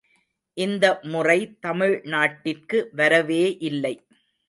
இந்த முறை தமிழ்நாட்டிற்கு வரவே இல்லை.